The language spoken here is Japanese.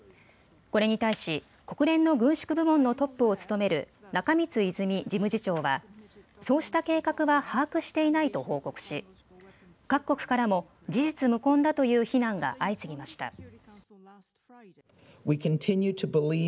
これに対し国連の軍縮部門のトップを務める中満泉事務次長はそうした計画は把握していないと報告し、各国からも事実無根だという非難が相次ぎました。